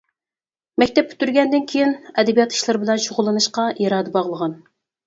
مەكتەپ پۈتتۈرگەندىن كېيىن، ئەدەبىيات ئىشلىرى بىلەن شۇغۇللىنىشقا ئىرادە باغلىغان.